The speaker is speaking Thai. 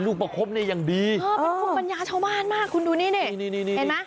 ลูกประคบเนี่ยยังดีคุณดูนี่เนี่ยเป็นความปัญญาชาวบ้านมากคุณดูนี่เนี่ยเห็นมะ